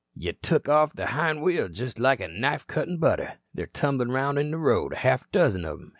"You tuk off their hind wheel jest like a knife cuttin' butter. They're tumblin' around in the road, a half dozen of 'em.